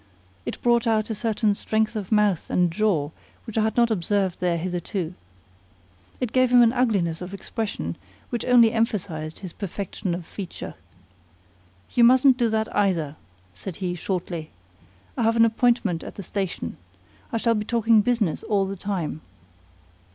It brought out a certain strength of mouth and jaw which I had not observed there hitherto. It gave him an ugliness of expression which only emphasized his perfection of feature. "You mustn't do that either," said he, shortly. "I have an appointment at the station. I shall be talking business all the time."